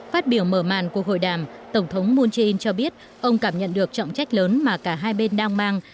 phát biểu mở màn cuộc hội đàm tổng thống moon jae in cho biết ông cảm nhận được trọng trách lớn mà cả hai bên đang mang